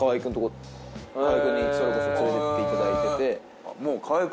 河合君にそれこそ連れていっていただいてて。